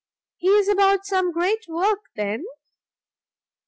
"He is about some great work, then?"